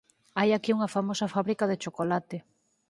Hai aquí unha famosa fábrica de chocolate.